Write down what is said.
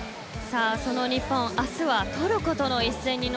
その日本、明日はトルコとの一戦です。